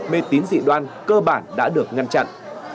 mê tín dị đoan cơ bản đã được ngăn chặn